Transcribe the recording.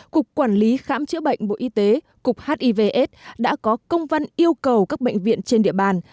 cục quản lý khám chữa bệnh bộ y tế cục hivs đã có công văn yêu cầu các bệnh viện trên địa bàn